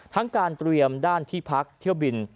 การเตรียมด้านที่พักเที่ยวบิน